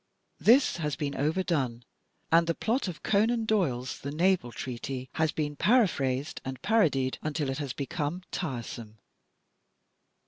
This has been overdone, and the plot of Conan Doyle's "The DEVIOUS DEVICES 173 Naval Treaty" has been paraphrased and parodied until it has become tiresome.